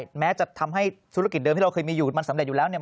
แม้จะทำให้ธุรกิจเดิมที่เราเคยมีอยู่มันสำเร็จอยู่แล้วเนี่ย